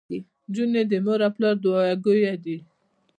انجونو د مور او پلار دوعاګويه دي.